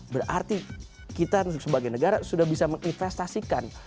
berarti kita sebagai negara sudah bisa menginvestasikan